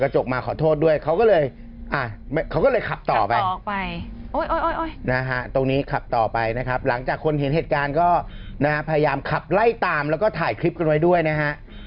หลังจากคนเห็นเหตุการณ์ก็พยายามคับไล่ตามและถ่ายคลิปเลยด้วยนะครับ